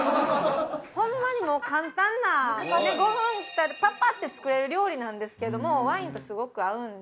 ホンマにもう簡単な５分パパッて作れる料理なんですけれどもワインとすごく合うんで。